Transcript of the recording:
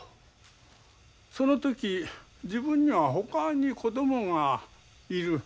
その時自分にはほかに子供がいる。